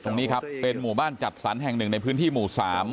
ตรงนี้ครับเป็นหมู่บ้านจัดสรรแห่งหนึ่งในพื้นที่หมู่๓